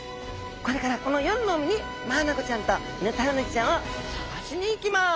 これからこの夜の海にマアナゴちゃんとヌタウナギちゃんをさがしに行きます。